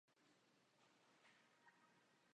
Desde entonces, se ha expandido a lo largo del mundo.